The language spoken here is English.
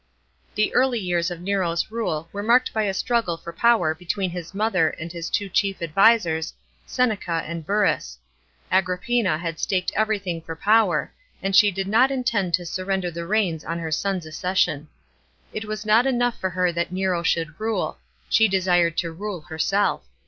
§ 3. The early years of Nero's rule were marked by a struggle for power between his mother and his two chief advisers, Seneca and Burrus. Agrippina had staked everything for power, and she did not intend to surrender the reins on her sou's accession. It was not enough for her that Nero should rule ; she d< sired to rule herself.